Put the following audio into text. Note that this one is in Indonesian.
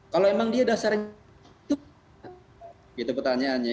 kalau emang dia dasarnya itu pertanyaannya